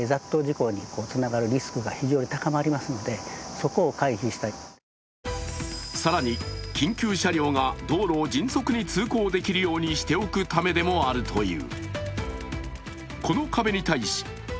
理由を聞くと更に緊急車両が道路を迅速に通行できるようにしておくためでもあるという。